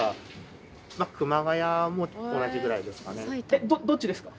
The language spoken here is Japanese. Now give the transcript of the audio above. えっどどっちですか！